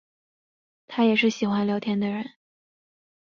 她也是喜欢聊天的人